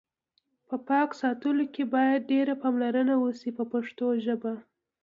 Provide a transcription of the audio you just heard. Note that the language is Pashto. په پاک ساتلو کې باید ډېره پاملرنه وشي په پښتو ژبه.